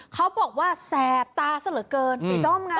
เขาบอกว่าแสบตาเหลือเกิน